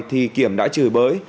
thì kiểm đã chửi bới